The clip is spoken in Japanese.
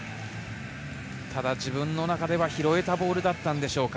ただ自分の中では拾えたボールだったんでしょうか。